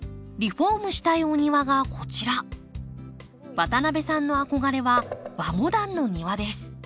渡邊さんの憧れは和モダンの庭です。